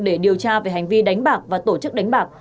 để điều tra về hành vi đánh bạc và tổ chức đánh bạc